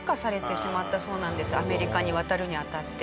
アメリカに渡るにあたって。